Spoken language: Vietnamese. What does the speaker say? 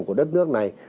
của đất nước này